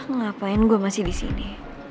ngapain gue masih disini